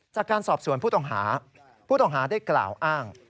จากการสอบสวนผู้ต้องหาผู้ต้องหาได้กล่าวอ้าง